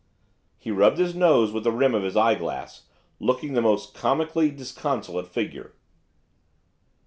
He rubbed his nose with the rim of his eyeglass, looking the most comically disconsolate figure.